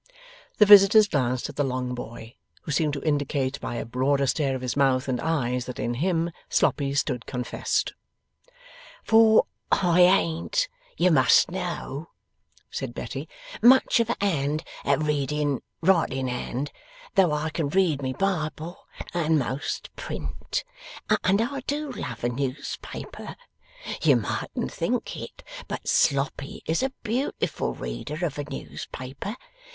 The visitors glanced at the long boy, who seemed to indicate by a broader stare of his mouth and eyes that in him Sloppy stood confessed. 'For I aint, you must know,' said Betty, 'much of a hand at reading writing hand, though I can read my Bible and most print. And I do love a newspaper. You mightn't think it, but Sloppy is a beautiful reader of a newspaper.